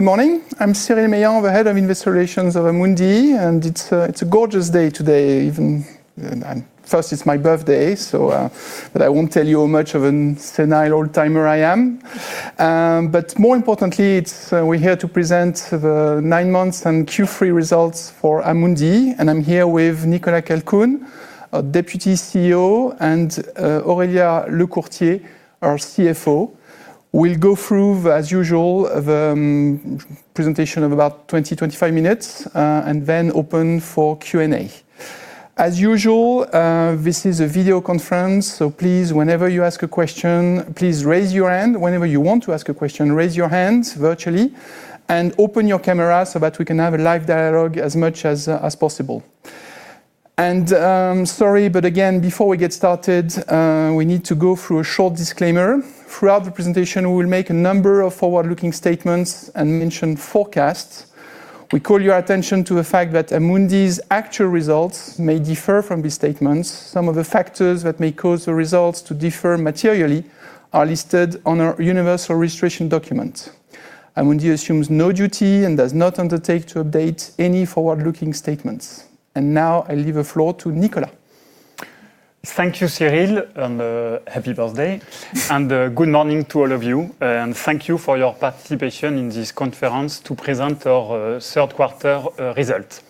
Good morning, I'm Cyril Meilland, the Head of Investor Relations of Amundi and it's a gorgeous day today. First, it's my birthday, but I won't tell you how much of a senile old timer I am. More importantly, we're here to present the 9 months and Q3 results for Amundi. I'm here with Nicolas Calcoen, Deputy CEO, and Aurélia Lecourtier, our CFO, who will go through, as usual, the presentation of about 20, 25 minutes and then open for Q&A as usual. This is a video conference, so please, whenever you ask a question, raise your hand. Whenever you want to ask a question, raise your hand virtually and open your camera so that we can have a live dialogue as much as possible. Sorry, but before we get started, we need to go through a short disclaimer first. Throughout the presentation we will make a number of forward-looking statements and mention forecasts. We call your attention to the fact that Amundi's actual results may differ from these statements. Some of the factors that may cause the results to differ materially are listed on our universal registration document. Amundi assumes no duty and does not undertake to update any forward-looking statements. Now I leave the floor to Nicolas. Thank you, Cyril, and happy birthday, and good morning to all of you, and thank you for your participation in this conference to present our third quarter results.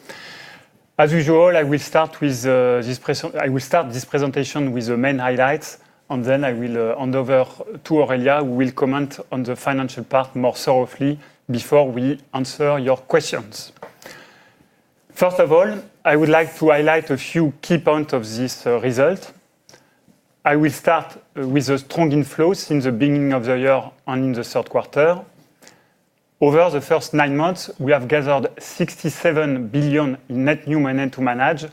As usual, I will start this presentation with the main highlights, and then I will hand over to Aurélia, who will comment on the financial part more thoroughly before we answer your questions. First of all, I would like to highlight a few key points of this result. I will start with a strong inflow since the beginning of the year and in the third quarter. Over the first nine months, we have gathered 67 billion in net new money to manage,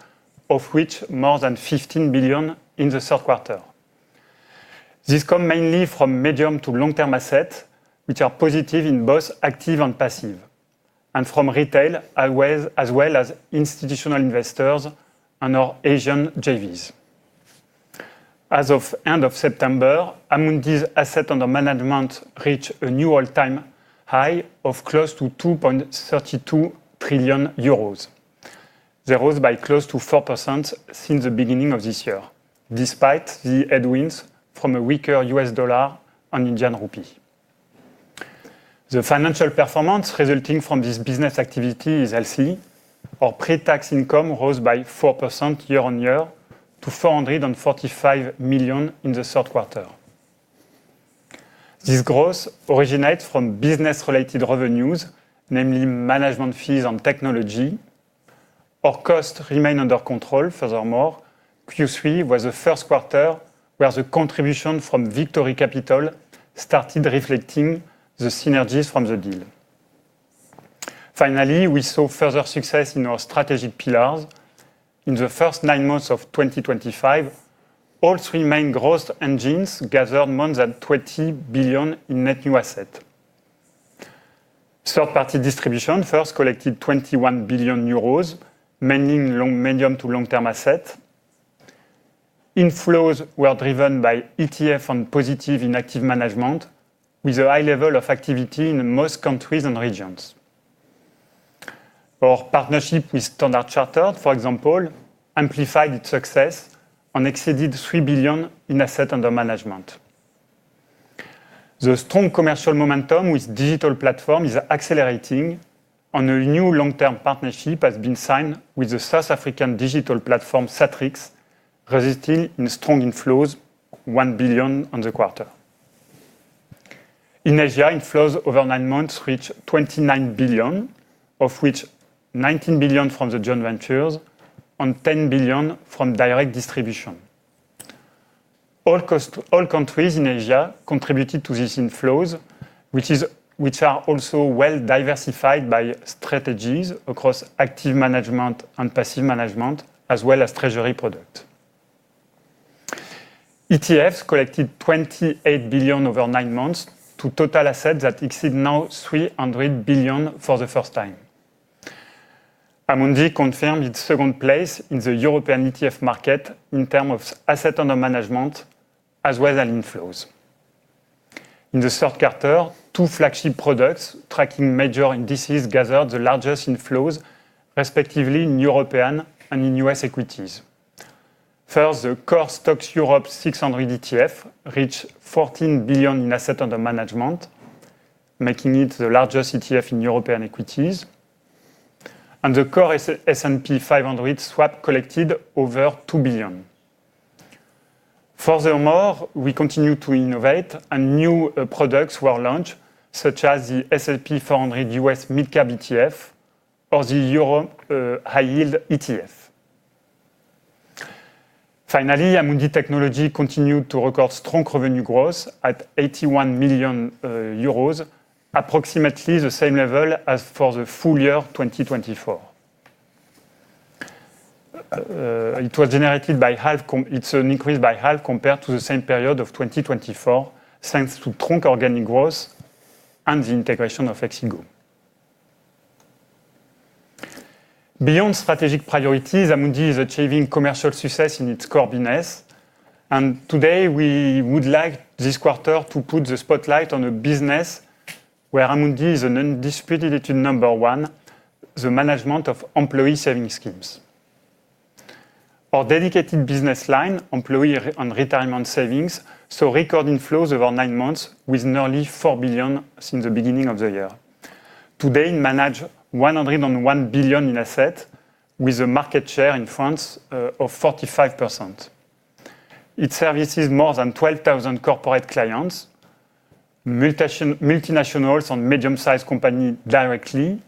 of which more than 15 billion in the third quarter. This comes mainly from medium to long term assets, which are positive in both active and passive, and from retail as well as institutional investors and our Asian joint ventures. As of end of September, Amundi's assets under management reached a new all-time high of close to 2.32 trillion euros. They rose by close to 4% since the beginning of this year. Despite the headwinds from a weaker U.S. dollar on Indian rupee, the financial performance resulting from this business activity is healthy. Our pre-tax income rose by 4% year on year to 445 million in the third quarter. This growth originates from business-related revenues, namely management fees and technology. Our costs remain under control. Furthermore, Q3 was the first quarter where the contribution from Victory Capital started reflecting the synergies from the deal. Finally, we saw further success in our strategic pillars. In the first nine months of 2023, all three main growth engines gathered more than 20 billion in net new assets. Third party distribution first collected 21 billion euros. Medium to long term assets inflows were driven by ETF and positive in active management, with a high level of activity in most countries and regions. Our partnership with Standard Chartered, for example, amplified its success and exceeded 3 billion in assets under management. The strong commercial momentum with digital platform is accelerating, and a new long term partnership has been signed with the South African digital platform Satrix, resulting in strong inflows, 1 billion on the quarter. In Asia, inflows over nine months reached 29 billion, of which 19 billion from the joint ventures and 10 billion from direct distribution. All countries in Asia contributed to these inflows, which are also well diversified by strategies across active management and passive management as well as Treasury products. ETFs collected 28 billion over nine months to total assets that exceed now 300 billion. For the first time, Amundi confirmed its second place in the European ETF market in terms of assets under management as well as inflows. In the third quarter, two flagship products tracking major indices gathered the largest inflows respectively in European and in U.S. equities. First, the core stocks Europe 600 ETF reached 14 billion in assets under management, making it the largest ETF in European equities. The core S&P 500 swap collected over 2 billion. Furthermore, we continue to innovate and new products were launched such as the S&P 400 U.S. Mid Cap ETF or the Euro High Yield ETF. Finally, Amundi Technology continued to record strong revenue growth at 81 million euros, approximately the same level as for the full year 2024. It was generated by half. It's an increase by half compared to the same period of 2024 thanks to strong organic growth and the integration of Exigo. Beyond strategic priorities, Amundi is achieving commercial success in its core business. Today we would like this quarter to put the spotlight on a business where Amundi is an undisputed number one, the management of employee savings schemes. Our dedicated business line Employee and Retirement Savings saw record inflows over nine months with nearly 4 billion since the beginning of the year. Today it managed 101 billion in assets with a market share in France of 45%. It services more than 12,000 corporate clients, multinationals and medium sized companies directly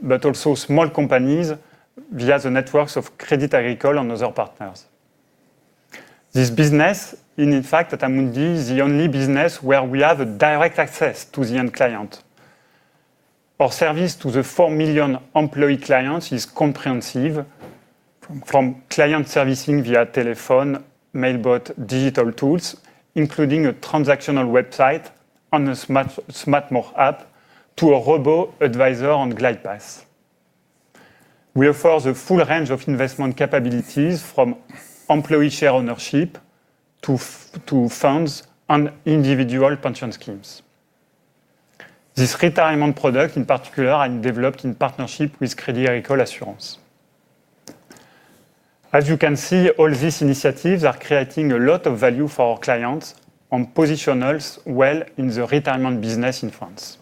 but also small companies via the networks of Crédit Agricole and other partners. This business is in fact at Amundi the only business where we have direct access to the end client. Our service to the 4 million employee clients is comprehensive. From client servicing via telephone, Mailbot digital tools including a transactional website on a Smart More app to a Robo Advisor on GlidePass, we offer the full range of investment capabilities from employee share ownership to funds and individual pension schemes. This retirement product in particular has developed in partnership with Crédit Agricole Assurance. As you can see, all these initiatives are creating a lot of value for our clients and position us well in the retirement business in France.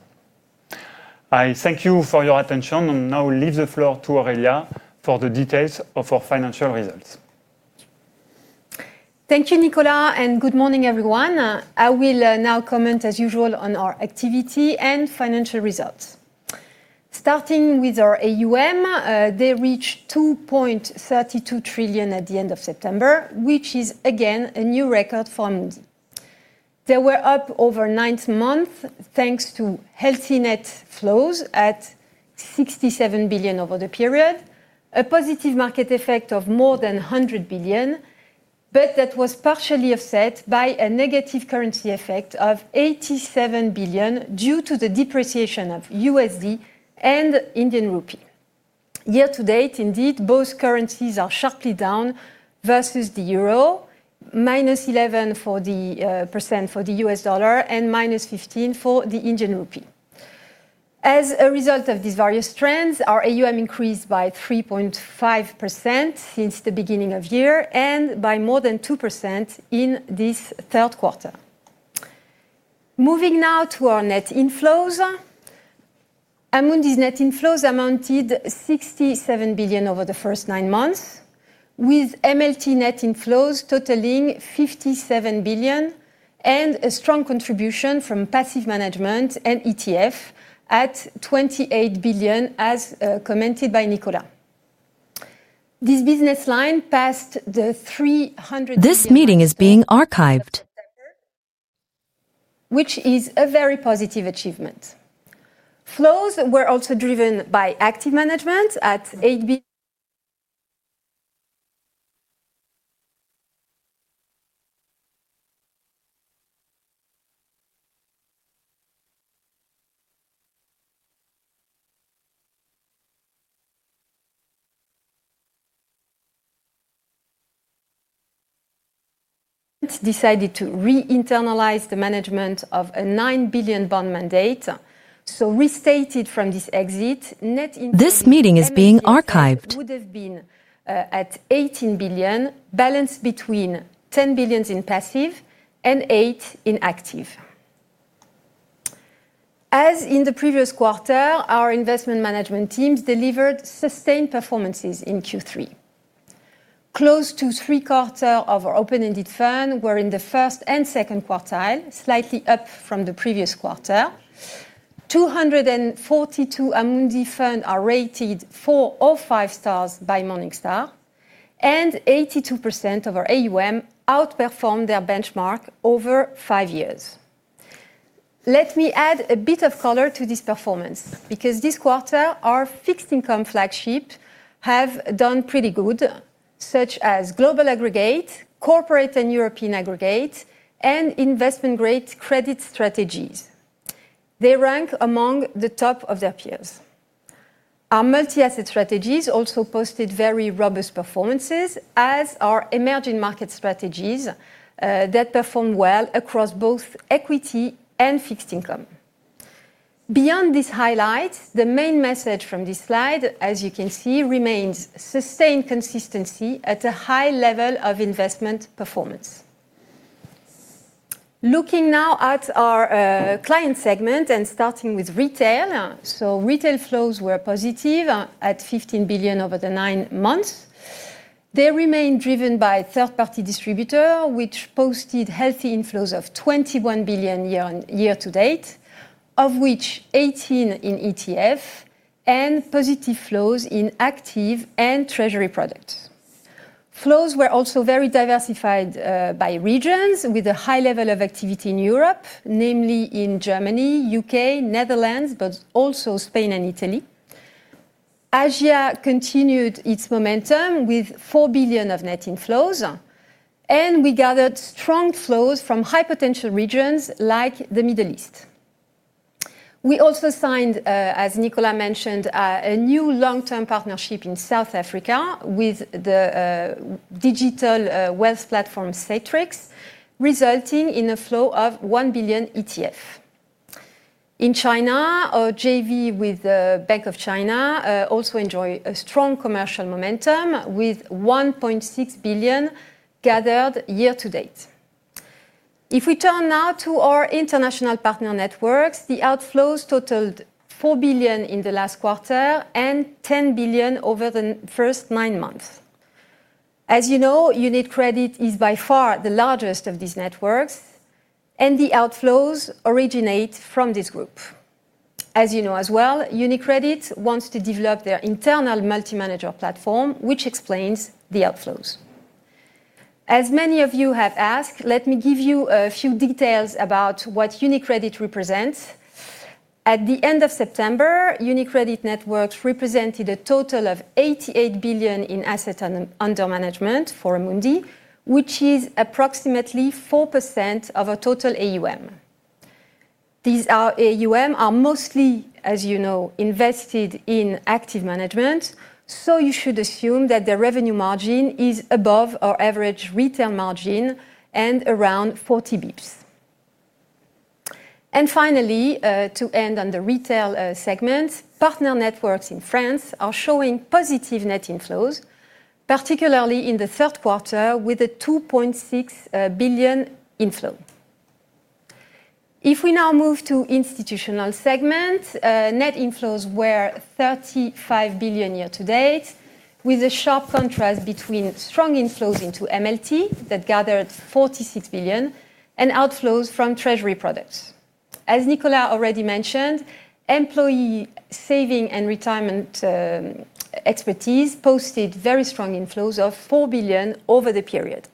I thank you for your attention and now leave the floor to Aurélia Lecourtier for the details of our financial results. Thank you Nicolas and good morning everyone. I will now comment as usual on our activity and financial results, starting with our AUM. They reached 2.32 trillion at the end of September, which is again a new record. They were up over nine months thanks to healthy net flows at 67 billion over the period, a positive market effect of more than 100 billion. That was partially offset by a negative currency effect of 87 billion due to the depreciation of USD and Indian Rupee year to date. Indeed, both currencies are sharply down versus the euro, -11% for the USD and -15% for the Indian Rupee. As a result of these various trends, our AUM increased by 3.5% since the beginning of the year and by more than 2% in this third quarter. Moving now to our net inflows, Amundi's net inflows amounted to 67 billion over the first nine months, with MLT net inflows totaling 57 billion and a strong contribution from passive management and ETF at 28 billion. As commented by Nicolas, this business line passed the EUR 300 billion. This meeting is being archived. Which is a very positive achievement. Flows were also driven by active management at 8 billion. Decided to re-internalize the management of a 9 billion bond mandate, so restated from this exit. This meeting is being archived at 18 billion, balanced between 10 billion in passive and 8 billion in active. As in the previous quarter, our investment management teams delivered sustained performances in Q3. Close to three quarters of our open-ended funds were in the first and second quartile, slightly up from the previous quarter. 242 Amundi funds are rated four or five stars by Morningstar and 82% of our AUM outperformed their benchmark over five years. Let me add a bit of color to this performance because this quarter our fixed income flagship have done pretty good, such as global aggregate, corporate and European aggregate, and investment grade credit strategies. They rank among the top of their peers. Our multi-asset strategies also posted very robust performances, as our emerging market strategies that performed well across both equity and fixed income. Beyond these highlights, the main message from this slide, as you can see, remains sustained consistency at a high level of investment performance. Looking now at our client segment and starting with retail, retail flows were positive at 50 billion over the nine months. They remain driven by third-party distributor, which posted healthy inflows of 21 billion year to date, of which 18 billion in ETF and positive flows in active and treasury products. Flows were also very diversified by regions, with a high level of activity in Europe, namely in Germany, U.K., Netherlands, but also Spain and Italy. Asia continued its momentum with 4 billion of net inflows, and we gathered strong flows from high potential regions like the Middle East. We also signed, as Nicolas Calcoen mentioned, a new long-term partnership in South Africa with the digital wealth platform Satrix, resulting in a flow of 1 billion ETF. In China, the joint venture with Bank of China also enjoyed a strong commercial momentum with 1.6 billion gathered year to date. If we turn now to our international partner networks, the outflows totaled 4 billion in the last quarter and 10 billion over the first nine months. As you know, UniCredit is by far the largest of these networks, and the outflows originate from this group. As you know as well, UniCredit wants to develop their internal multi-manager platform, which explains the outflows. As many of you have asked, let me give you a few details about what UniCredit represents. At the end of September, UniCredit networks represented a total of 88 billion in assets under management for Amundi, which is approximately 4% of our total AUM. These AUM are mostly, as you know, invested in active management, so you should assume that their revenue margin is above our average retail margin and around 40 basis points. Finally, to end on the retail segment, partner networks in France are showing positive net inflows, particularly in the third quarter with a 2.6 billion inflow. If we now move to the institutional segment, net inflows were 35 billion year to date with a sharp contrast between strong inflows into MLT that gathered 46 billion and outflows from Treasury products. As Nicolas Calcoen already mentioned, employee saving and retirement expertise posted very strong inflows of 4 billion over the period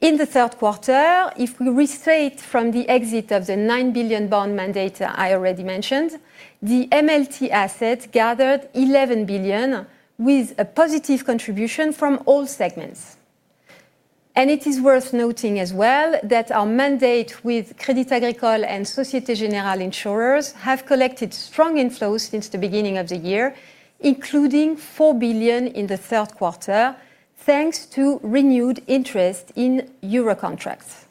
in the third quarter. If we restate from the exit of the 9 billion bond mandate I already mentioned, the MLT assets gathered 11 billion with a positive contribution from all segments. It is worth noting as well that our mandate with Crédit Agricole and Société Générale insurers have collected strong inflows since the beginning of the year, including 4 billion in the third quarter thanks to renewed interest in euro contracts.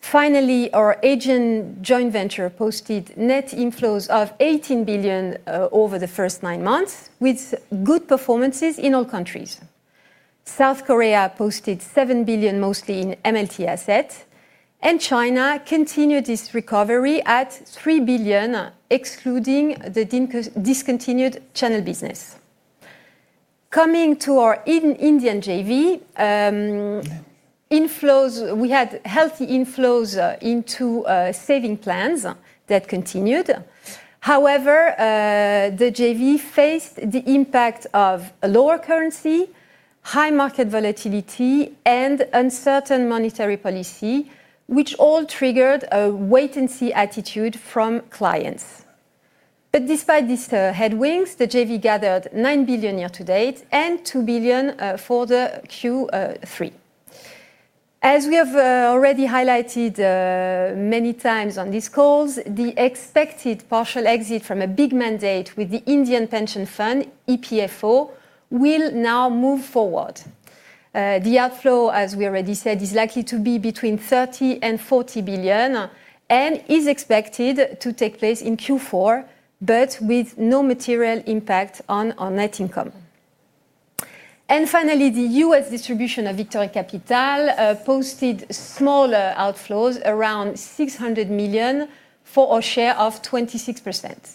Finally, our Asian joint venture posted net inflows of 18 billion over the first nine months with good performances in all countries. South Korea posted 7 billion, mostly in MLT assets, and China continued its recovery at 3 billion, excluding the discontinued channel business. Coming to our Indian JV inflows, we had healthy inflows into saving plans that continued. However, the JV faced the impact of a lower currency, high market volatility, and uncertain monetary policy, which all triggered a wait and see attitude from clients. Despite these headwinds, the JV gathered 9 billion year to date and 2 billion for Q3. As we have already highlighted many times on these calls, the expected partial exit from a big mandate with the Indian pension fund EPFO will now move forward. The outflow, as we already said, is likely to be between 30 billion and 40 billion and is expected to take place in Q4 with no material impact on our net income. Finally, the U.S. distribution of Victory Capital posted smaller outflows around 600 million for a share of 26%.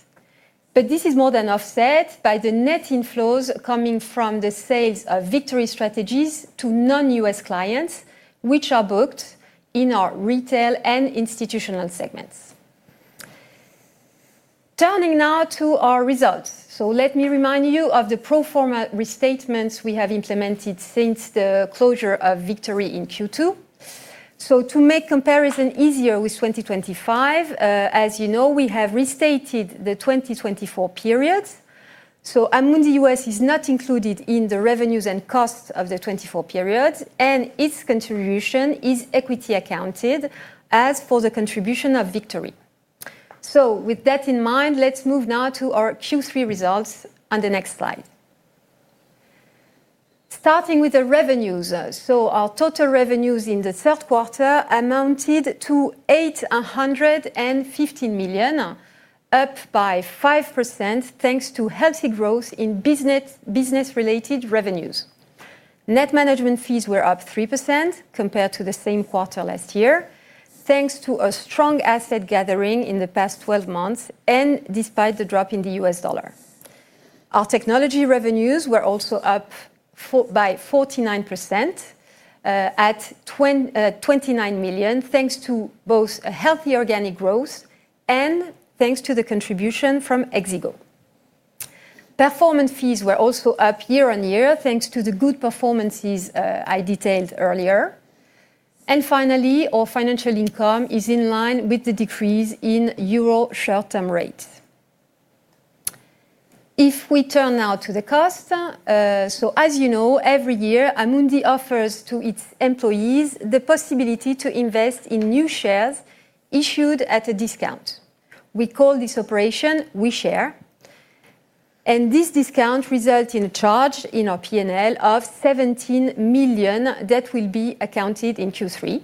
This is more than offset by the net inflows coming from the sales of Victory Strategies to non-U.S. clients, which are booked in our retail and institutional segments. Turning now to our results, let me remind you of the pro forma restatements we have implemented since the closure of Victory in Q2. To make comparison easier with 2025, as you know, we have restated the 2024 period so Amundi U.S. is not included in the revenues and costs of the 2024 periods and its contribution is equity accounted, as for the contribution of Victory. With that in mind, let's move now to our Q3 results on the next slide, starting with the revenues. Our total revenues in the third quarter amounted to 815 million, up by 5% thanks to healthy growth in business-related revenues. Net management fees were up 3% compared to the same quarter last year thanks to a strong asset gathering in the past 12 months. Despite the drop in the U.S. dollar, our technology revenues were also up by 49% at 29 million thanks to both healthy organic growth and the contribution from Exigo. Performance fees were also up year on year thanks to the good performances I detailed earlier. Finally, our financial income is in line with the decrease in euro short-term rates. If we turn now to the cost, as you know, every year Amundi offers to its employees the possibility to invest in new shares issued at a discount. We call this operation We Share, and this discount results in a charge in our P&L of 17 million that will be accounted in Q3.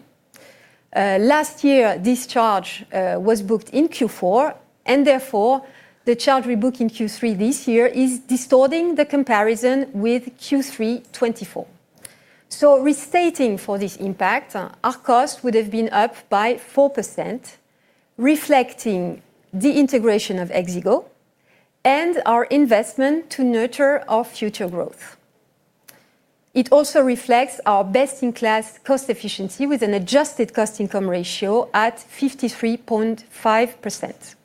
Last year this charge was booked in Q4, and therefore the charge we booked in Q3 this year is distorting the comparison with Q3 2024. Restating for this impact, our cost would have been up by 4%, reflecting the integration of Exigo and our investment to nurture our future growth. It also reflects our best-in-class cost efficiency with an adjusted cost/income ratio at 53.5%.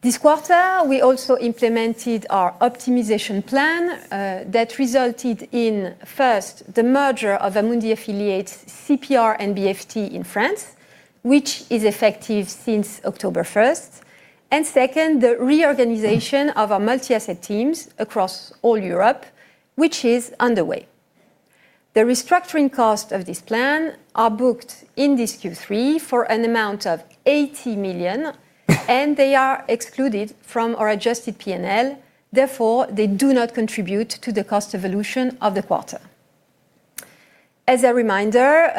This quarter we also implemented our optimization plan that resulted in, first, the merger of Amundi affiliate CPR and BFT in France, which is effective since October 1, and second, the reorganization of our multi-asset teams across all Europe, which is underway. The restructuring cost of this plan is booked in this Q3 for an amount of 80 million, and they are excluded from our adjusted P&L. Therefore, they do not contribute to the cost evolution of the quarter. As a reminder,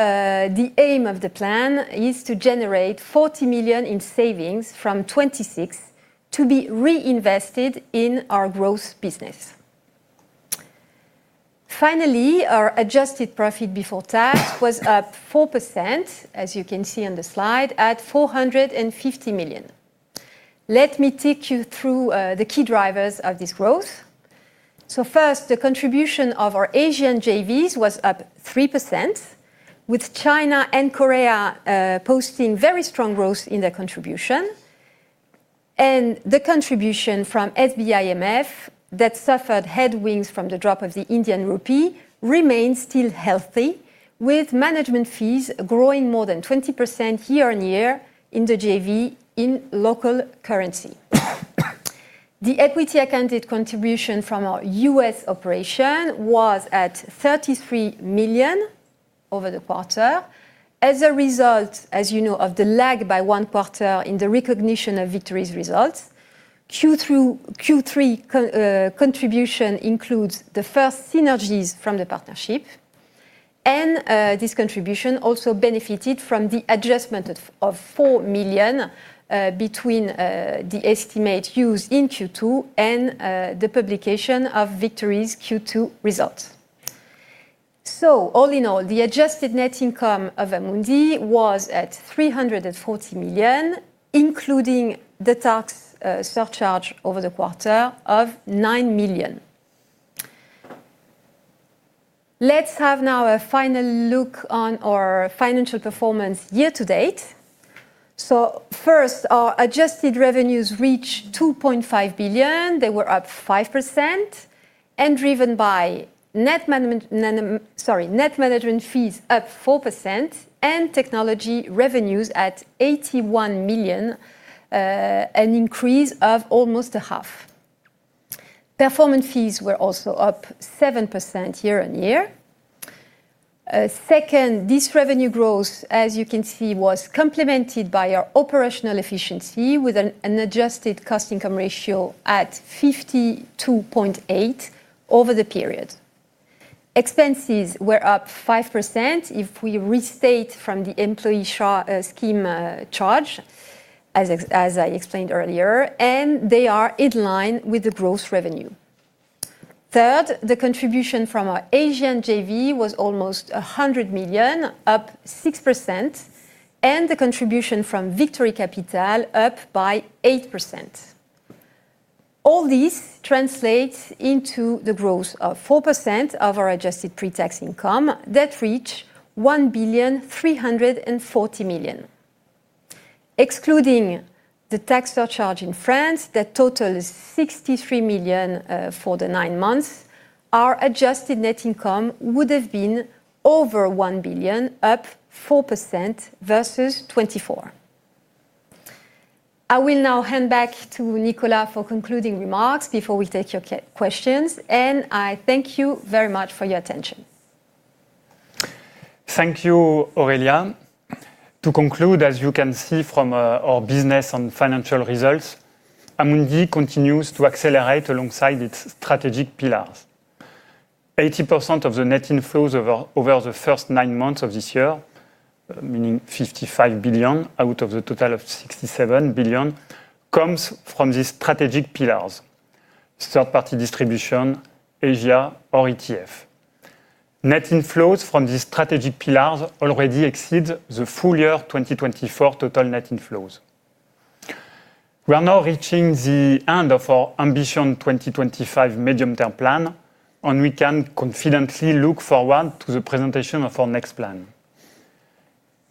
the aim of the plan is to generate 40 million in savings from 26 million to be reinvested in our growth business. Finally, our adjusted profit before tax was up 4%, as you can see on the slide, at 450 million. Let me take you through the key drivers of this growth. First, the contribution of our Asian joint ventures was up 3%, with China and Korea posting very strong growth in their contribution. The contribution from SBIMF, that suffered headwinds from the drop of the Indian rupee, remains still healthy with management fees growing more than 20% year on year. In the joint venture in local currency, the equity-accounted contribution from our U.S. operation was at 33 million over the quarter. As a result, as you know, of the lag by one quarter in the recognition of Victory Capital's results, Q3 contribution includes the first synergies from the partnership, and this contribution also benefited from the adjustment of 4 million between the estimate used in Q2 and the publication of Victory Capital's Q2 results. All in all, the adjusted net income of Amundi was at 340 million, including the tax surcharge over the quarter of 9 million. Let's have now a final look on our financial performance year to date. First, our adjusted revenues reached 2.5 billion. They were up 5% and driven by net management fees up 4% and technology revenues at 81 million, an increase of almost a half. Performance fees were also up 7% year on year. Second, this revenue growth, as you can see, was complemented by our operational efficiency with an adjusted cost/income ratio at 52.8% over the period. Expenses were up 5% if we restate from the employee scheme charge, as I explained earlier, and they are in line with the gross revenue. Third, the contribution from our Asian joint ventures was almost 100 million, up 6%, and the contribution from Victory Capital up by 8%. All this translates into the growth of 4% of our adjusted pre-tax income that reaches 1.34 billion. Excluding the tax surcharge in France, that totals 63 million. For the nine months, our adjusted net income would have been over 1 billion, up 4% versus 2024. I will now hand back to Nicolas for concluding remarks before we take your questions. I thank you very much for your attention. Thank you, Aurélia. To conclude, as you can see from our business and financial results, Amundi continues to accelerate alongside its strategic pillars. 80% of the net inflows over the first nine months of this year, meaning 55 billion out of the total of 67 billion, comes from these strategic pillars: Third Party Distribution, Asia, or ETF. Net inflows from these strategic pillars already exceed the full year 2024 total net inflows. We are now reaching the end of our Ambition 2025 Medium Term Plan, and we can confidently look forward to the presentation of our next plan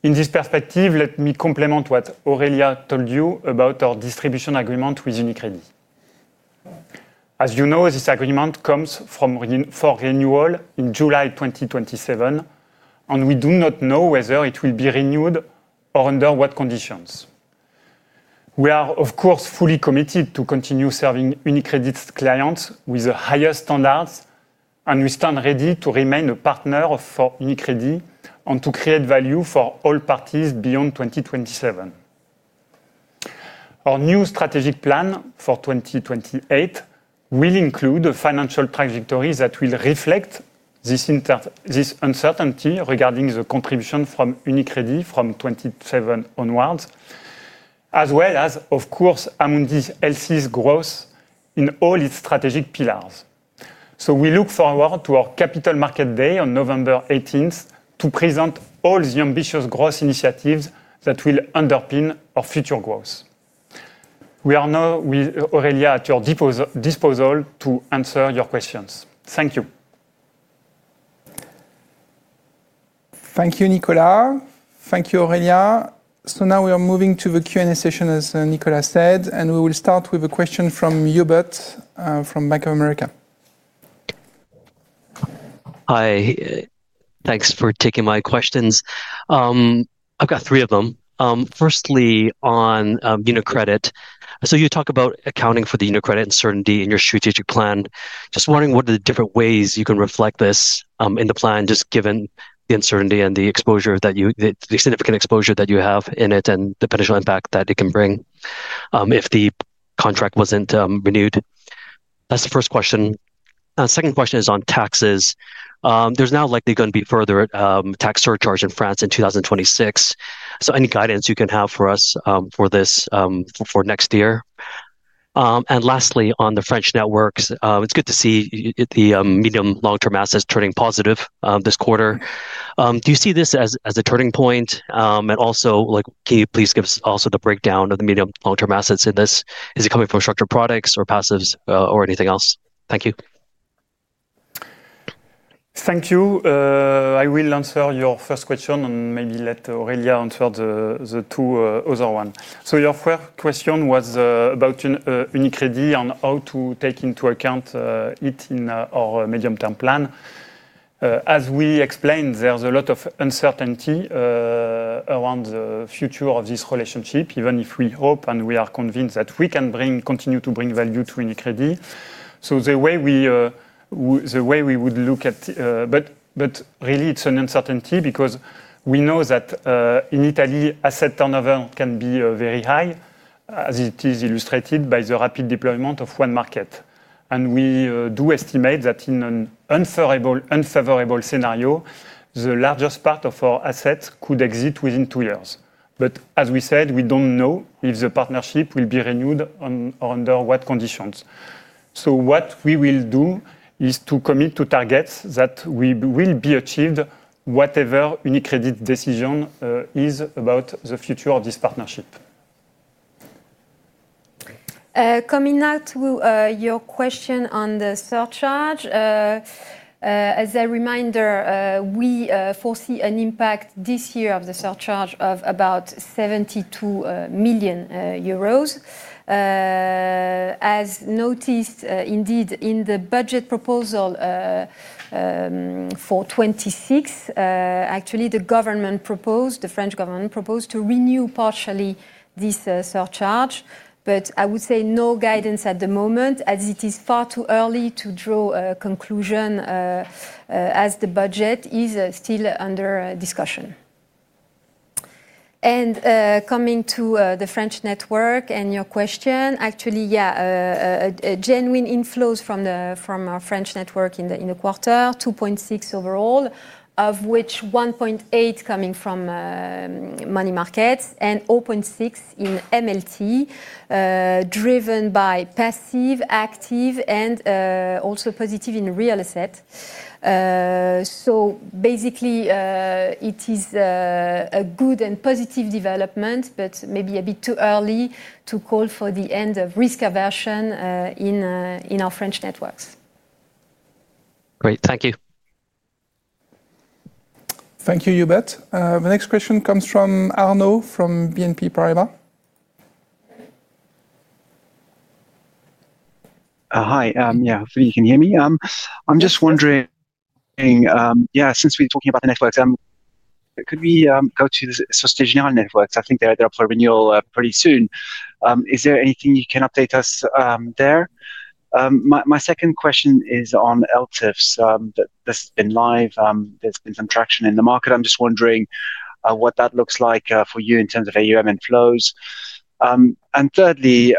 in this perspective. Let me complement what Aurélia told you about our distribution agreement with UniCredit. As you know, this agreement comes for renewal in July 2027, and we do not know whether it will be renewed or under what conditions. We are, of course, fully committed to continue serving UniCredit clients with the highest standards, and we stand ready to remain a partner for UniCredit and to create value for all parties beyond 2027. Our new strategic plan for 2028 will include a financial trajectory that will reflect this uncertainty regarding the contribution from UniCredit from 2027 onwards, as well as, of course, Amundi's growth in all its strategic pillars. We look forward to our Capital Markets Day on November 18th to present all the ambitious growth initiatives that will underpin our future growth. We are now, Aurélia, at your disposal to answer your questions. Thank you. Thank you, Nicolas. Thank you, Aurélia. We are now moving to the Q&A session, as Nicolas said. We will start with a question from Hubert from Bank of America. Hi, thanks for taking my questions. I've got three of them. Firstly, on UniCredit, you talk about accounting for the UniCredit uncertainty in your strategic plan. Just wondering what are the different ways you can reflect this in the plan? Given the uncertainty and the exposure that you, the significant exposure that you have in it and the potential impact that it can bring if the contract wasn't renewed. That's the first question. Second question is on taxes. There's now likely going to be further tax surcharge in France in 2026. Any guidance you can have for us for this for next year? Lastly, on the French networks, it's good to see the medium long term assets turning positive this quarter. Do you see this as a turning point? Also, can you please give us the breakdown of the medium long term assets in this? Is it coming from structured products or PASS or anything else? Thank you. Thank you. I will answer your first question and maybe let us. Your first question was about UniCredit and how to take into account it in our medium term plan. As we explained, there's a lot of uncertainty around the future of this relationship, even if we hope and we are convinced that we can continue to bring value to UniCredit. The way we would look at it, really it's an uncertainty because we know that in Italy asset turnover can be very high, as is illustrated by the rapid deployment of one market. We do estimate that in an unfavorable scenario, the largest part of our assets could exit within two years. As we said, we don't know if the partnership will be renewed or under what conditions. What we will do is to commit to targets that will be achieved whatever UniCredit's decision is about the future of this partnership. Coming now to your question on the surcharge. As a reminder, we foresee an impact this year of the surcharge of about 72 million euros as noticed indeed in the budget proposal for 2026. Actually, the French government proposed to renew partially this surcharge, but I would say no guidance at the moment as it is far too early to draw a conclusion as the budget is still under discussion. Coming to the French network and your question, actually genuine inflows from our French network in the quarter were 2.6 billion overall, of which 1.8 billion coming from money markets and 0.6 billion in MLT driven by passive, active, and also positive in real estate. Basically, it is a good and positive development, but maybe a bit too early to call for the end of risk aversion in our French networks. Great, thank you. Thank you, Hubert. The next question comes from Arnaud from BNP Paribas. Hi, hopefully you can hear me. I'm just wondering, since we're talking about the networks, could we go to the Société Générale Networks? I think they're up for renewal pretty soon. Is there anything you can update us there? My second question is on LTIFs. This has been live. There's been some traction in the market. I'm just wondering what that looks like for you in terms of AUM inflows. Thirdly,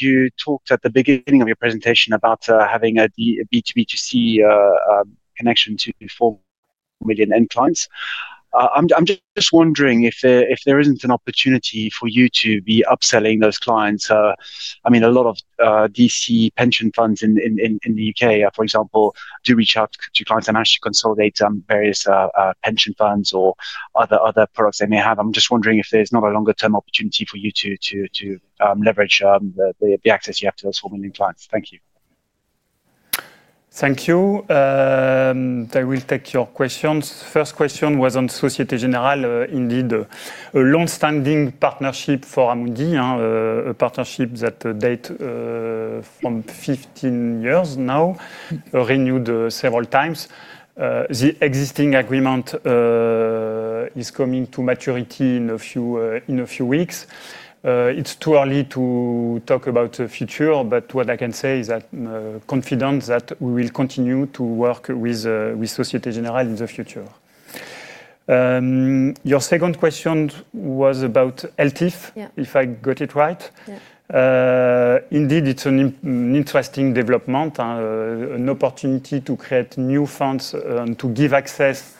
you talked at the beginning of your presentation about having a B2B2C connection to 4 million end clients. I'm just wondering if there isn't an opportunity for you to be upselling those clients. I mean, a lot of DC pension funds in the U.K., for example, do reach out to clients and actually consolidate various pension funds or other products they may have. I'm just wondering if there's not a longer term opportunity for you to leverage the access you have to those 4 million clients. Thank you. Thank you. I will take your questions. First question was on Société Générale. Indeed, a long-standing partnership for Amundi, a partnership that dates from 15 years now, renewed several times. The existing agreement is coming to maturity in a few weeks. It's too early to talk about the future, but what I can say is that confidence that we will continue to work with Société Générale in the future. Your second question was about LTIF, if I got it right. Indeed, it's an interesting development, an opportunity to create new funds to give access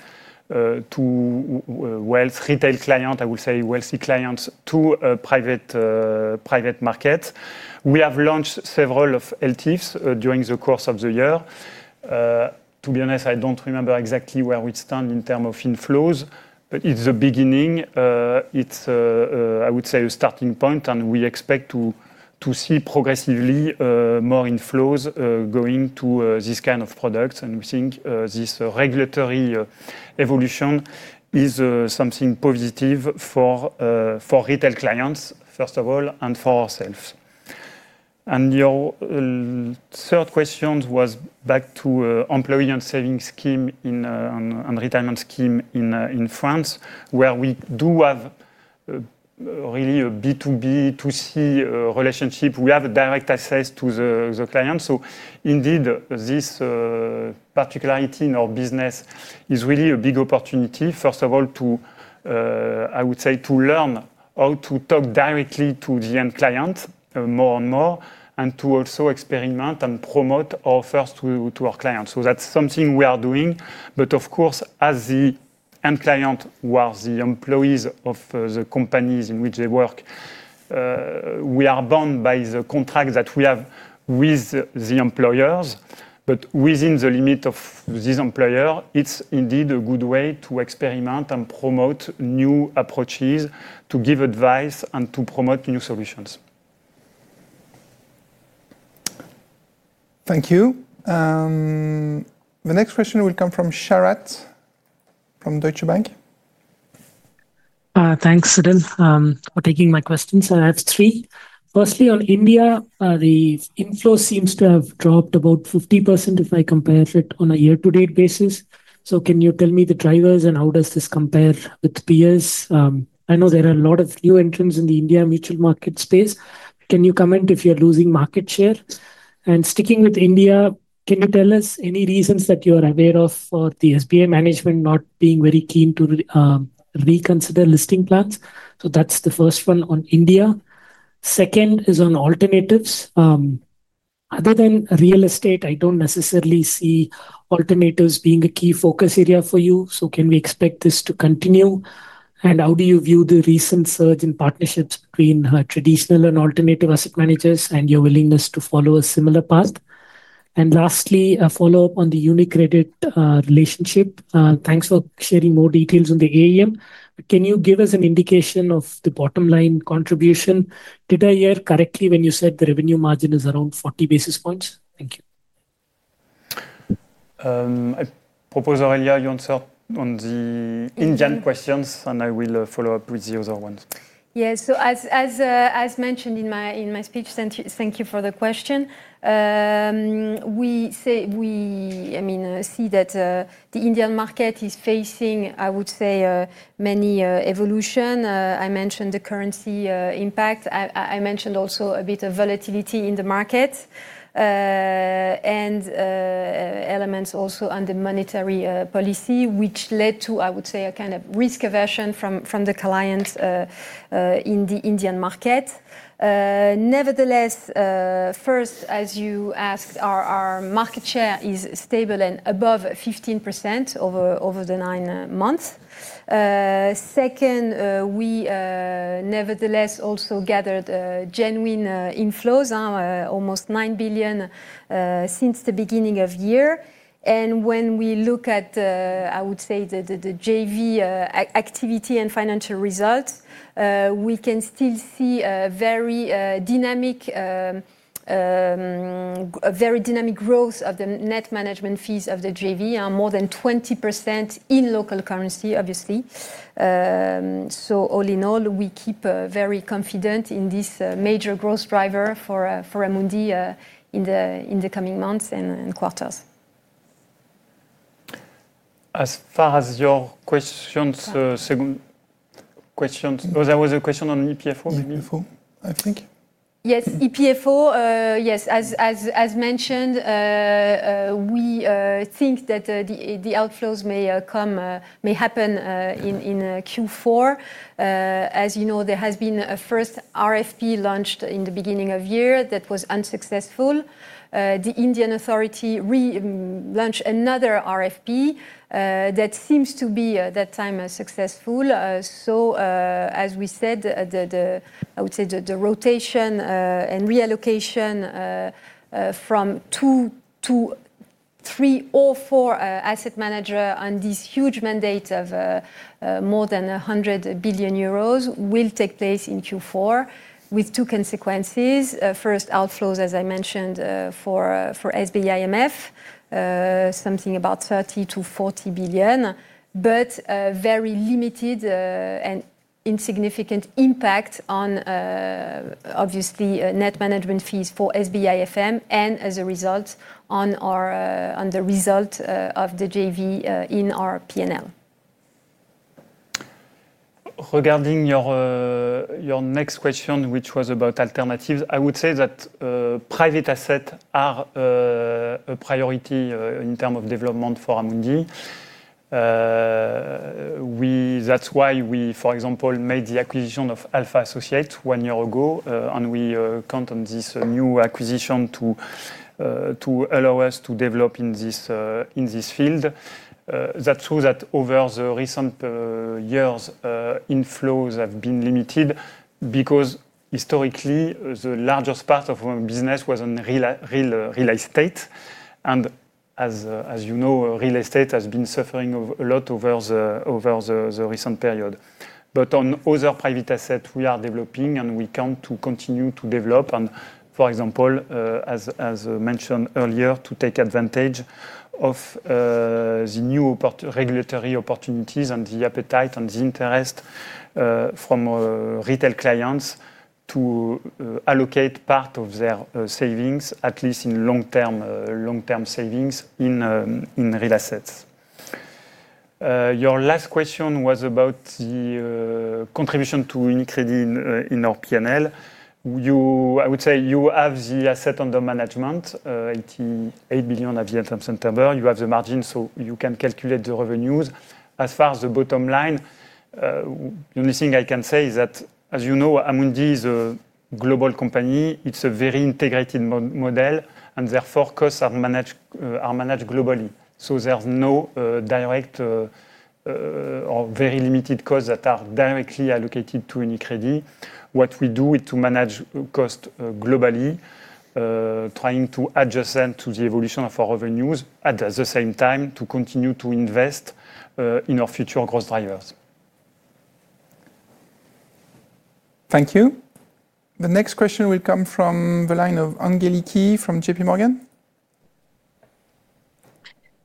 to wealth. Retail client, I would say wealthy clients to private, private market. We have launched several of LTIFs during the course of the year. To be honest, I don't remember exactly where we stand in terms of inflows, but it's the beginning. It's, I would say, a starting point, and we expect to see progressively more inflows going to this kind of product. We think this regulatory evolution is something positive for retail clients, first of all, and for ourselves. Your third question was back to employee and savings scheme and retirement scheme in France, where we do have really a B2B2C relationship. We have a direct access to the clients. Indeed, this particularity in our business is really a big opportunity, first of all to, I would say, to learn how to talk directly to the end client more and more and to also experiment and promote offers to our clients. That's something we are doing. Of course, as the end client was the employees of the companies in which they work, we are bound by the contract that we have with the employers. Within the limit of this employer, it's indeed a good way to experiment and promote new approaches, to give advice and to promote new solutions. Thank you. The next question will come from Sharat from Deutsche Bank. Thanks Siddhil for taking my questions. I have three. Firstly on India, the inflow seems to have dropped about 50% if I compare it on a year to date basis. Can you tell me the drivers and how does this compare with peers? I know there are a lot of new entrants in the India mutual market space. Can you comment if you're losing market share and, sticking with India, can you tell us any reasons that you are aware of for the SBIMF management not being very keen to reconsider listing plans? That's the first one on India. Second is on alternatives other than real estate. I don't necessarily see alternatives being a key focus area for you. Can we expect this to continue and how do you view the recent surge in partnerships between traditional and alternative asset managers and your willingness to follow a similar path? Lastly, a follow up on the UniCredit relationship. Thanks for sharing more details on the AUM. Can you give us an indication of the bottom line contribution? Did I hear correctly when you said the revenue margin is around 40 basis points? Thank you. I propose Aurélia, you answer on the Indian questions, and I will follow up with the other ones. Yes. As mentioned in my speech, thank you for the question. We see that the Indian market is facing, I would say, many evolutions. I mentioned the currency impact. I mentioned also a bit of volatility in the market and elements also under monetary policy, which led to, I would say, a kind of risk aversion from the clients in the Indian market. Nevertheless, first, as you asked, our market share is stable and above 15% over the nine months. Second, we nevertheless also gathered genuine inflows, almost 9 billion since the beginning of the year. When we look at, I would say, the joint venture activity and financial results, we can still see very dynamic. A. Very dynamic growth of the net management fees of the joint venture are more than 20% in local currency, obviously. All in all, we keep very confident in this major growth driver for Amundi in the coming months and quarters. As far as your questions, there was a question on EPFO, I think. Yes, EPFO. Yes. As mentioned, we think that the outflows may happen in Q4. As you know, there has been a first RFP launched in the beginning of the year that was unsuccessful. The Indian Authority launched another RFP that seems to be that time successful. I would say the rotation and reallocation from two to three or four asset managers on this huge mandate of more than 100 billion euros will take place in Q4 with two consequences. First, outflows as I mentioned for SBIMF, something about 30 billion-40 billion, but very limited and insignificant impact on obviously net management fees for SBIMF and as a result on the result of the joint venture in our P&L. Regarding your next question, which was about alternatives, I would say that private assets are a priority in terms of development for Amundi. That's why we, for example, made the acquisition of Alpha Associates one year ago, and we count on this new acquisition to allow us to develop in this field. That shows that over the recent years, inflows have been limited because historically the largest part of business was in real estate. As you know, real estate has been suffering a lot over the recent period. On other private assets, we are developing and we can continue to develop and, for example, as mentioned earlier, to take advantage of the new regulatory opportunities and the appetite and the interest from retail clients to allocate part of their savings, at least in long-term savings, in real assets. Your last question was about the contribution to UniCredit in our P&L. I would say you have the assets under management, 88 billion at the end of September. You have the margins, so you can calculate the revenues. As far as the bottom line, the only thing I can say is that, as you know, Amundi is a global company. It's a very integrated model, and therefore costs are managed globally. There's no direct or very limited costs that are directly allocated to UniCredit. What we do is to manage cost globally, trying to adjust to the evolution of our revenues at the same time to continue to invest in our future growth drivers. Thank you. The next question will come from the line of Angeliki from J.P. Morgan.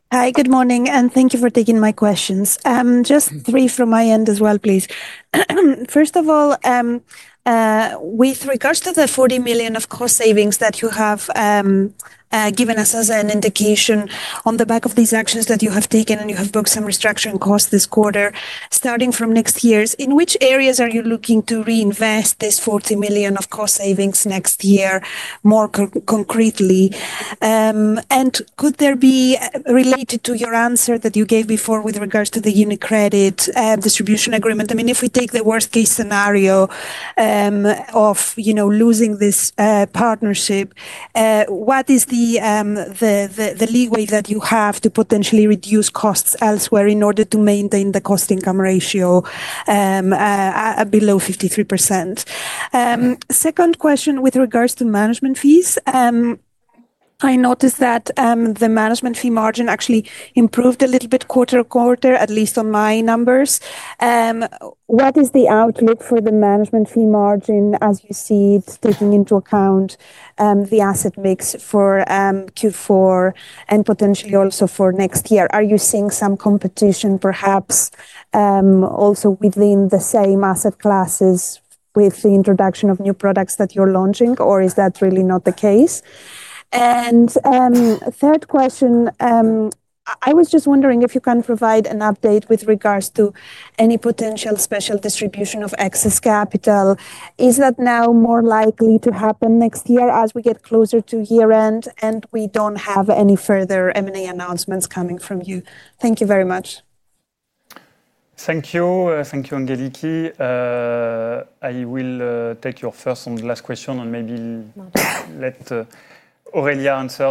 Hi, good morning and thank you for taking my questions. Just three from my end as well, please. First of all, with regards to the 40 million of cost savings that you have given us as an indication on the back of these actions that you have taken and you have booked some restructuring costs this quarter, starting from next year, in which areas are you looking to reinvest this 40 million of cost savings next year? More concretely, and could that be related to your answer that you gave before with regards to the UniCredit distribution agreement? I mean, if we take the worst case scenario of losing this partnership, what is the leeway that you have to potentially reduce costs elsewhere in order to maintain the cost/income ratio below 53%? Second question, with regards to management fees, I noticed that the management fee margin actually improved a little bit quarter on quarter, at least on my numbers. What is the outlook for the management fee margin as you see it, taking into account the asset mix for Q4 and potentially also for next year? Are you seeing some competition perhaps also within the same asset classes with the introduction of new products that you're launching, or is that really not the case? Third question, I was just wondering if you can provide an update with regards to any potential special distribution of excess capital. Is that now more likely to happen next year as we get closer to year end and we don't have any further M&A announcements coming from you? Thank you very much. Thank you. Thank you. Angeliki, I will take your first and last question and maybe let Aurélia answer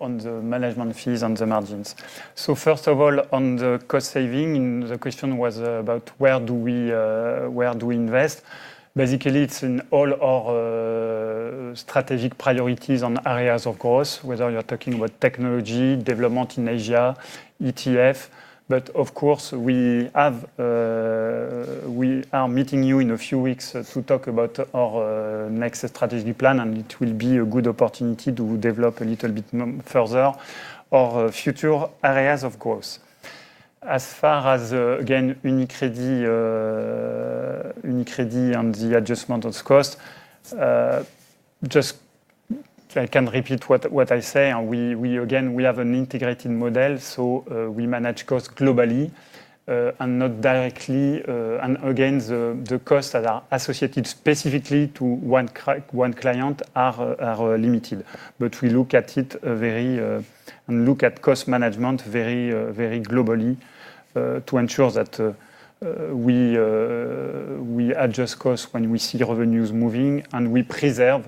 on the management fees and the margins. First of all, on the cost saving, the question was about where do we invest? Basically, it's in all our strategic priorities on areas, of course, whether you're talking about technology development in Asia, ETF, but of course we are meeting you in a few weeks to talk about our next strategic plan and it will be a good opportunity to develop a little bit of further or future areas of growth. As far as again UniCredit and the adjustment of cost, I can repeat what I say. We have an integrated model so we manage cost globally and not directly, and again the costs that are associated specifically to one client are limited. We look at it and look at cost management very globally to ensure that we adjust costs when we see revenues moving and we preserve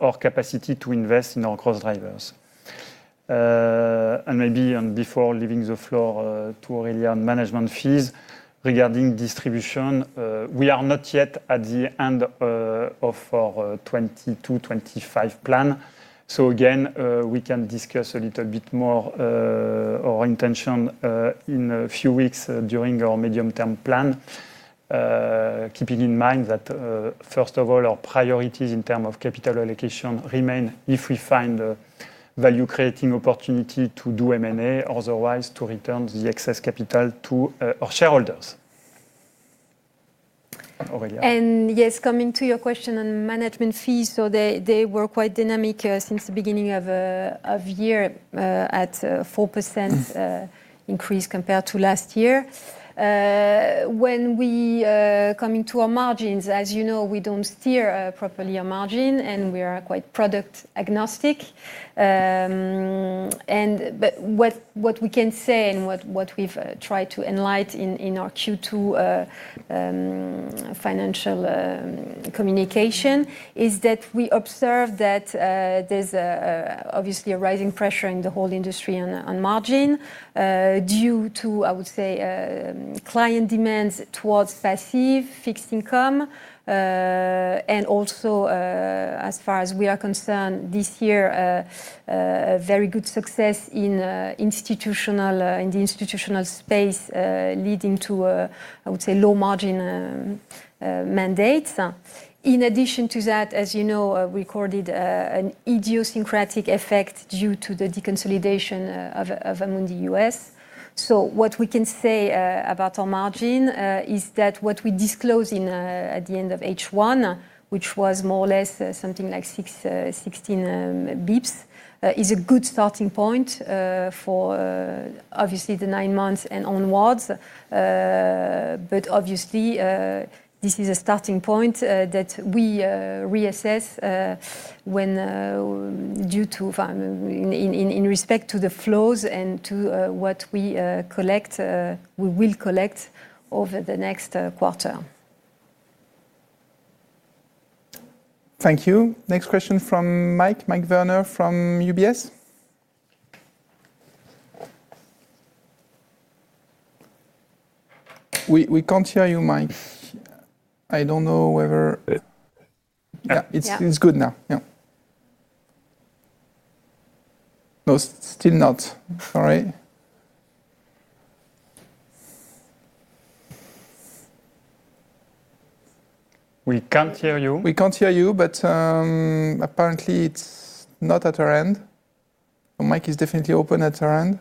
our capacity to invest in our cross drivers. Maybe before leaving the floor to Aurélia on management fees regarding distribution, we are not yet at the end of 2022-2025 plan. We can discuss a little bit more our intention in a few weeks during our medium term plan. Keeping in mind that first of all our priorities in terms of capital allocation remain, if we find a value creating opportunity to do M&A, otherwise to return the excess capital to our shareholders. Yes, coming to your question on management fees, they were quite dynamic since the beginning of the year at 4% increase compared to last year. When we come to our margins, as you know, we don't steer properly our margin and we are quite product agnostic. What we can say and what we've tried to enlighten in our Q2 financial communication is that we observe that there's obviously a rising pressure in the whole industry on margin due to, I would say, client demands towards passive fixed income. Also, as far as we are concerned, this year, very good success in the institutional space leading to, I would say, low margin mandates. In addition to that, as you know, we recorded an idiosyncratic effect due to the deconsolidation of Amundi US. What we can say about our margin is that what we disclosed at the end of H1, which was more or less something like 61.6 basis points, is a good starting point for obviously the 9 months and onwards. Obviously, this is a starting point that we reassess in respect to the flows and to what we collect, we will collect over the next quarter. Thank you. Next question from Mike. Mike Werner from UBS. We can't hear you, Mike. I don't know whether it's good now. No, still not. Sorry. We can't hear you. We can't hear you. Apparently, it's not at our end. The mic is definitely open at our end.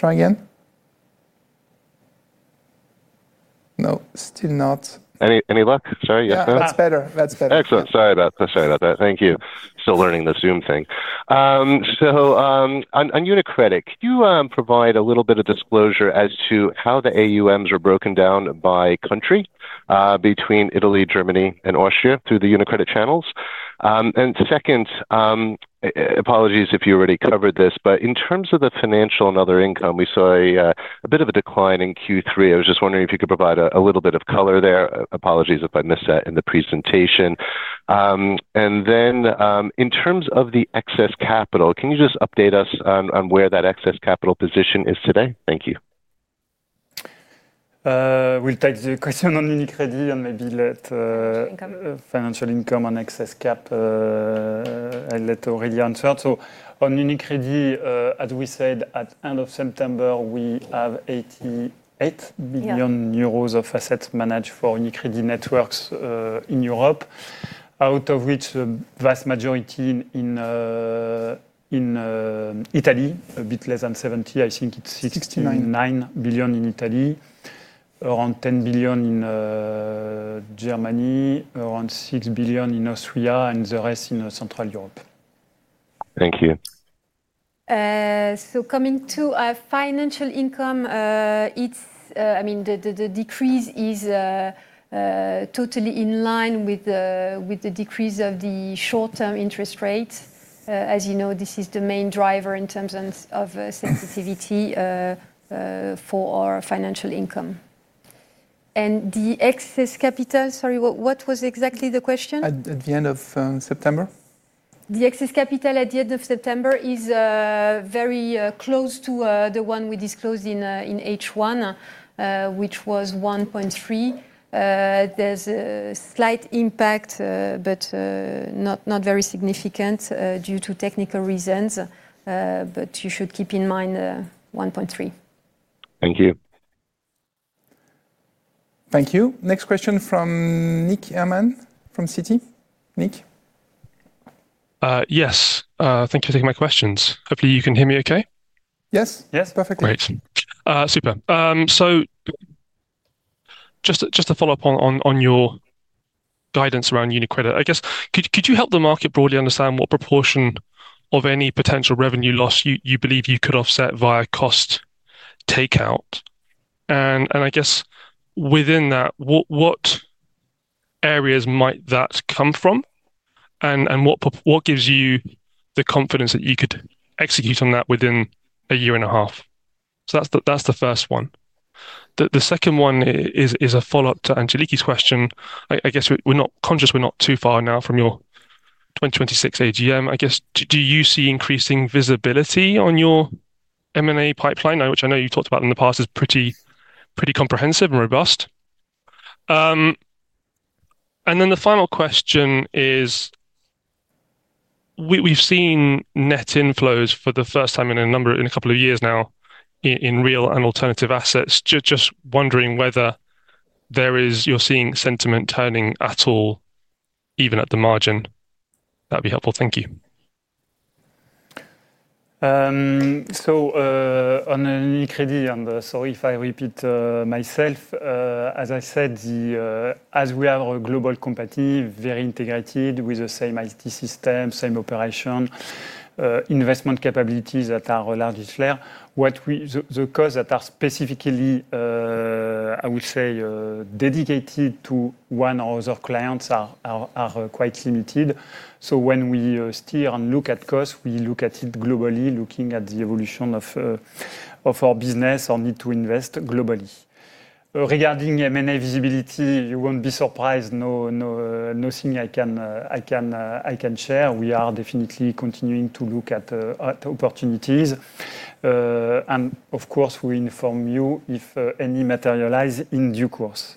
Try again. No, still not. Any luck? Sorry. Yes, that's better. That's better. Excellent. Sorry about that. Thank you. Still learning the Zoom thing. On UniCredit, could you provide a little bit of disclosure as to how the AUMs are broken down by country between Italy, Germany, and Austria through the UniCredit channels? Second, apologies if you already covered this, but in terms of the financial and other income, we saw a bit of a decline in Q3. I was just wondering if you could provide a little bit of color there. Apologies if I missed that in the presentation. In terms of the excess capital, can you just update us on where that excess capital position is today? Thank you. I'll take the question on UniCredit or maybe let's financial income and excess cap. I'll let Aurélia answer. On UniCredit, as we said at end of September, we have 88 billion euros of assets managed for UniCredit networks in Europe, out of which the vast majority in Italy, a bit less than 70 billion. I think it's 69 billion in Italy, around 10 billion in Germany, around 6 billion in Austria, and the rest in Central Europe. Thank you. Coming to financial income, the decrease is totally in line with the decrease of the short-term interest rate. As you know, this is the main driver in terms of sensitivity for our financial income and the excess capital. Sorry, what was exactly the question at. The end of September? The excess capital at the end of September is very close to the one we disclosed in H1, which was 1.3 billion. There's a slight impact, not very significant, due to technical reasons. You should keep in mind 1.3 billion. Thank you. Thank you. Next question from Nick Herman from Citi. Nick? Yes, thank you for taking my questions. Hopefully you can hear me okay. Yes, yes, perfect. Super. Just to follow up on your guidance around UniCredit, could you help the market broadly understand what proportion of any potential revenue loss you believe you could offset via cost takeout? Within that, what areas might that come from and what gives you the confidence that you could execute on that within a year and a half? That's the first one. The second one is a follow up to Angeliki's question. We're not too far now from your 2026 AGM. Do you see increasing visibility on your M&A pipeline, which I know you've talked about in the past, is pretty comprehensive and robust? The final question is we've seen net inflows for the first time in a couple of years now in real and alternative assets. Just wondering whether you're seeing sentiment turning at all, even at the margin. That'd be helpful, thank you. On Ecriti, as I said, as we are a global company, very integrated with the same IT system, same operation, investment capabilities that are large, that are specifically, I would say, dedicated to one or other clients are quite limited. When we steer and look at costs, we look at it globally, looking at the evolution of our business or need to invest globally regarding M&A visibility. You won't be surprised. No, nothing I can share. We are definitely continuing to look at opportunities and of course we inform you if any materialize in due course.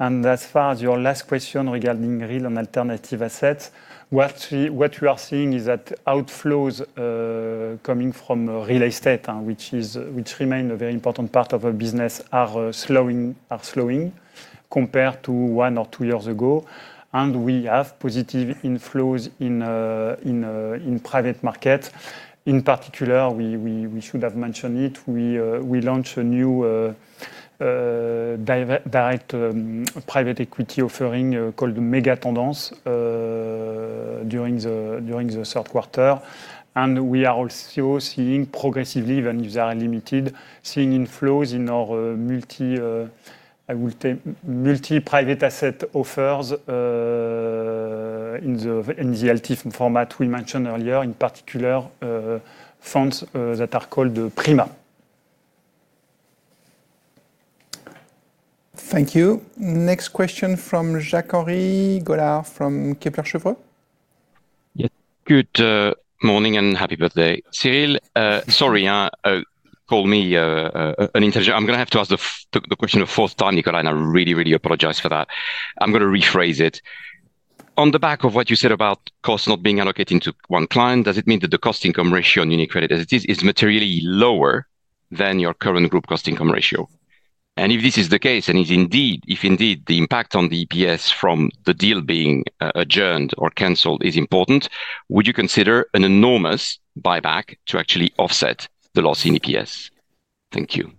As far as your last question regarding real and alternative assets, what we are seeing is that outflows coming from real estate, which remain a very important part of our business, are slowing compared to one or two years ago and we have positive inflows in private market in particular. We should have mentioned it. We launched a new direct private equity offering called the Mega Thunders during the third quarter and we are also seeing progress in limited seeing inflows in our multi, I would say, multi private asset offers in the NGLT format. We mentioned earlier in particular funds that are called Prima. Thank you. Next question from Jacquel. From Kepler Cheuvreux. good morning and happy birthday. Cyril. Sorry, call me unintelligent. I'm going to have to ask the question a fourth time, Nicolas, and I really, really apologize for that. I'm going to rephrase it on the back of what you said about costs not being allocated into one client. Does it mean that the cost/income ratio on UniCredit as it is is materially lower than your current group cost/income ratio? If this is the case, and if indeed the impact on the EPS from the deal being adjourned or cancelled is important, would you consider an enormous U.S. buyback to actually offset the loss in EPS? Thank you.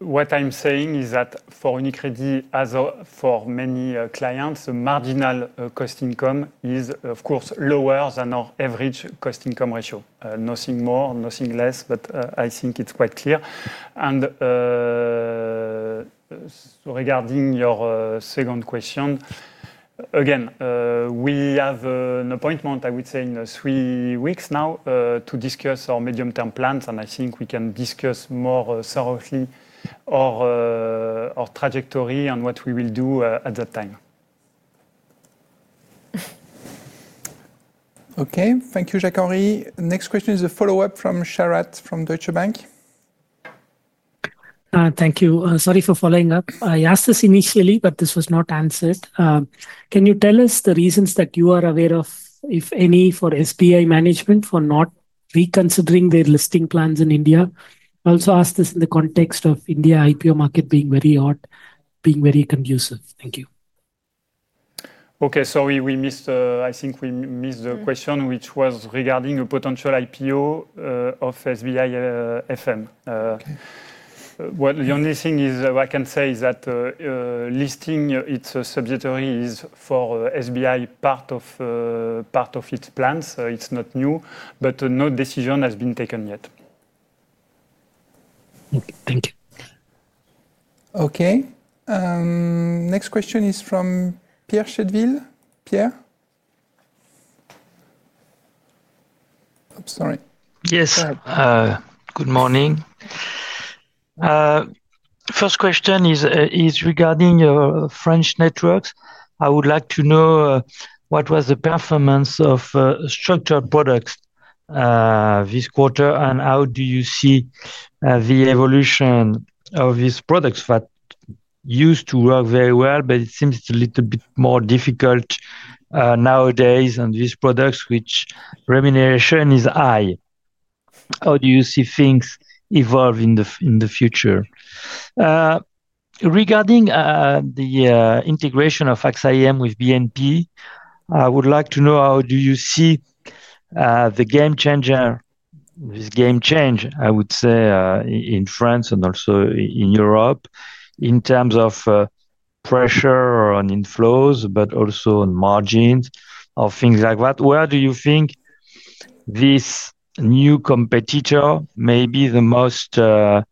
What I'm saying is that for many clients the marginal cost/income is of course lower than our average cost/income ratio. Nothing more, nothing less. I think it's quite clear. Regarding your second question again, we have an appointment, I would say, in three weeks now to discuss our medium-term plans, and I think we can discuss more thoroughly our trajectory and what we will do at that time. Okay, thank you. Jacques. Next question is a follow up from Sharat from Deutsche Bank. Thank you. Sorry for following up. I asked this initially but this was not answered. Can you tell us the reasons that you are aware of, if any, for SBIMF management for not reconsidering their listing plans in India? Also, I ask this in the context of the India IPO market being very odd, being very conducive. Thank you. Okay, I think we missed the question which was regarding a potential IPO of SBIMF. The only thing I can say is that listing existing its subsidiary is for SBI part of its plans. It's not new, but no decision has been taken yet. Thank you. Okay, next question is from Pierre Chedeville. Pierre, sorry. Yes, good morning. First question is regarding your French networks. I would like to know what was the performance of structured products this quarter, and how do you see the evolution of these products? That used to work very well, but it seems a little bit more difficult nowadays on these products, which remuneration is high. How do you see things evolving in the future regarding the integration of Axim with BNP? I would like to know how do you see the game changer, this game change I would say in France and also in Europe in terms of pressure on inflows, but also on margins or things like that. Where do you think this new competitor may be the most, I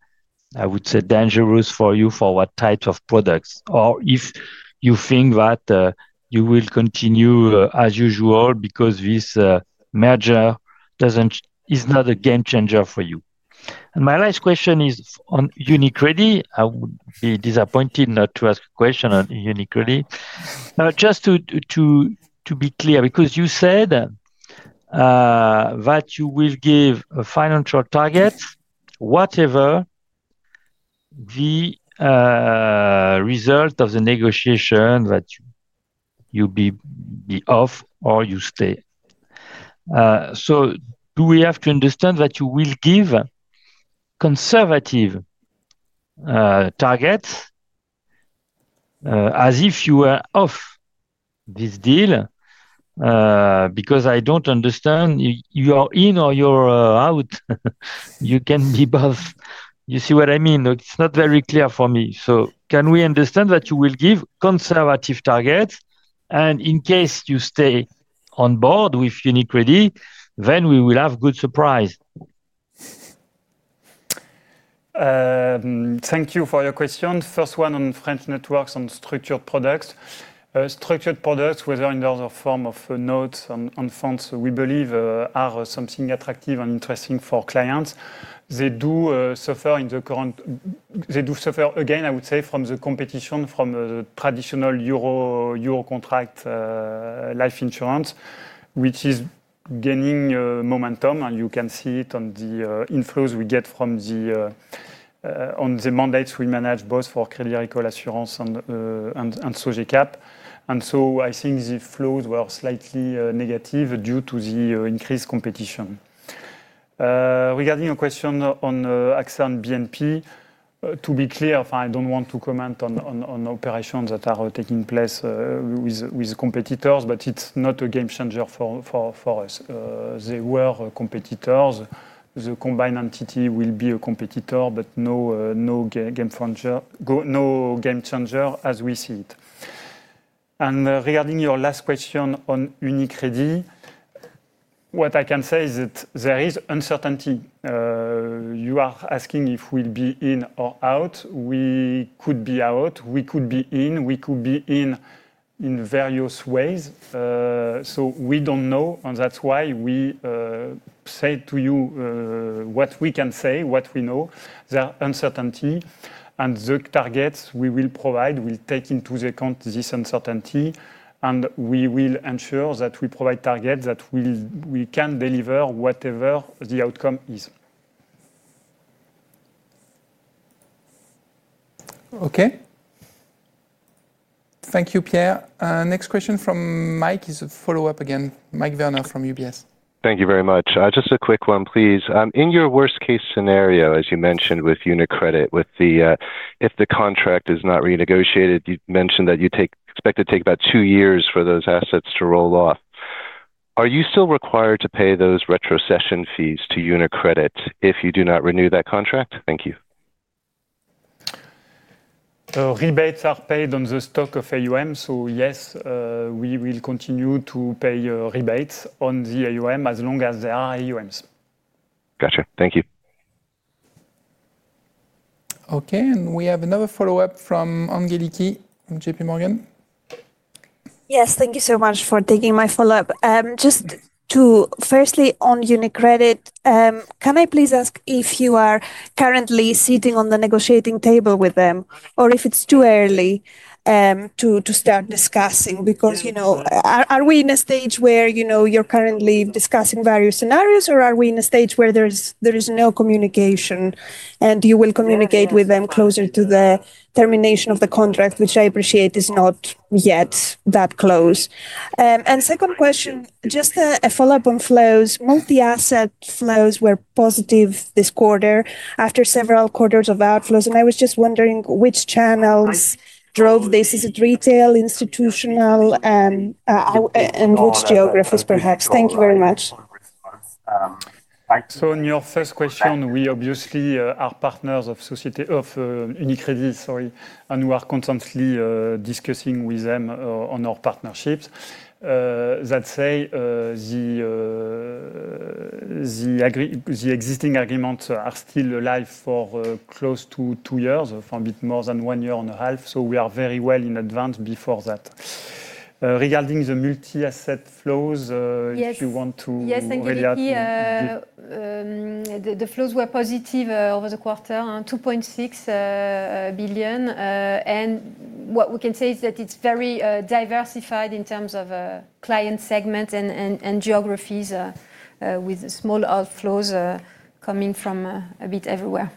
would say, dangerous for you, for what types of products, or if you think that you will continue as usual because this merger is not a game changer for you. My last question is on UniCredit. I would be disappointed not to ask a question on UniCredit, just to be clear, because you said that you will give a financial target, whatever the result of the negotiation, that you be off or you stay. Do we have to understand that you will give conservative targets as if you were off this deal? Because I don't understand, you are in or you're out. You can be both. You see what I mean? It's not very clear for me. Can we understand that you will give conservative targets, and in case you stay on board with UniCredit, then we will have good surprise. Thank you for your question. First one on French networks and structured products. Structured products, whether in other form of notes and funds, we believe are something attractive and interesting for clients. They do suffer in the current. They do suffer again, I would say, from the competition from the traditional Life Euro contract life insurance, which is gaining momentum, and you can see it on the inflows we get from the mandates we manage both for Crédit Agricole and CPR. I think the flows were slightly negative due to the increased competition. Regarding your question on AXA and BNP, to be clear, I don't want to comment on operations that are taking place with competitors, but it's not a game changer for us. They were competitors. The combined entity will be a competitor, but no game changer as we see it. Regarding your last question on UniCredit, what I can say is that there is uncertainty. You are asking if we'll be in or out. We could be out, we could be in, we could be in in various ways. We don't know. That's why we say to you what we can say, what we know. The uncertainty and the targets we will provide, we take into account this uncertainty, and we will ensure that we provide targets that we can deliver whatever the outcome is. Ease. Okay, thank you, Pierre. Next question from Mike is a follow-up again, Mike Werner from UBS. Thank you very much. Just a quick one please. In your worst case scenario, as you mentioned with UniCredit, if the contract is not renegotiated, you mentioned that you expect to take about two years for those assets to roll off. Are you still required to pay those retrocession fees to UniCredit if you do not renew that contract? Thank you. Rebates are paid on the stock of AUM. Yes, we will continue to pay rebates on the AUM as long as there are AUMs. Gotcha. Thank you. Okay. We have another follow-up from Angeliki, J.P. Morgan. Yes, thank you so much for taking my follow up. Just firstly on UniCredit, can I please ask if you are currently sitting on the negotiating table with them or if it's too early to start discussing because, you know, are we in a stage where, you know, you're currently discussing various scenarios or are we in a stage where there is no communication and you will communicate with them closer to the termination of the contract, which I appreciate is not yet that close. Second question, just a follow up on flows. Multi asset flows were positive this quarter after several quarters of outflows. I was just wondering which channels drove this. Is it retail, institutional, and which geographies perhaps? Thank you very much. In your first question, we obviously are partners of UniCredit, sorry, and we are constantly discussing with them on our partnerships. The existing agreements are still alive for close to two years, from a bit more than one year and a half. We are very well in advance before that regarding the multi asset flows, if you want to. The flows were positive in the quarter, 2.6 billion. What we can say is that it's very diversified in terms of client segment and geographies, with small outflows coming from a bit everywhere.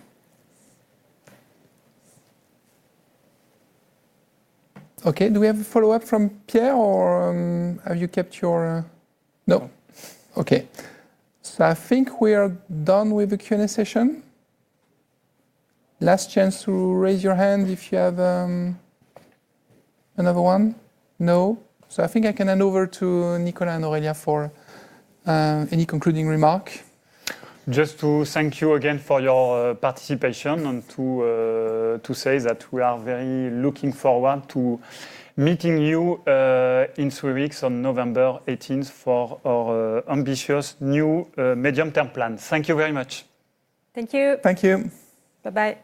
Okay. Do we have a follow-up from Pierre or have you kept your— No. Okay, I think we are done with the Q&A session. Last chance to raise your hand if you have another one. No. I think I can hand over to Nicolas Calcoen and Aurélia Lecourtier for any concluding remark. Just to thank you again for your participation and to say that we are very much looking forward to meeting you in three weeks on November 18th for our ambitious new medium term plan. Thank you very much. Thank you. Thank you. Bye bye.